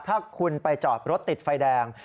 ถ้าคุณไปจอดรถติดไฟแดง